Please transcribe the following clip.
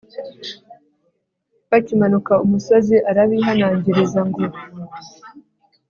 bakimanuka umusozi arabihanangiriza ngo